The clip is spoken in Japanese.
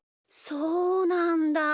そうなんだ。